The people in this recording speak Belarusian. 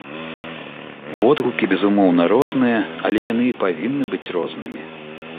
Водгукі, безумоўна, розныя, але яны і павінны быць рознымі.